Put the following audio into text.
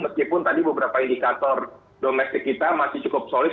meskipun tadi beberapa indikator domestik kita masih cukup solid